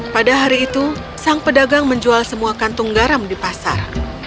pada hari itu sang pedagang menjual semua kantung garam di pasar